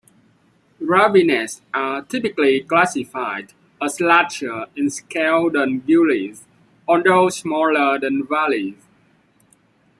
Ravines are typically classified as larger in scale than gullies, although smaller than valleys.